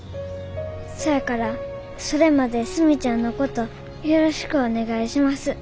そやからそれまでスミちゃんのことよろしくおねがいします。